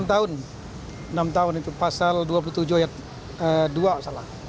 enam tahun enam tahun itu pasal dua puluh tujuh ayat dua salah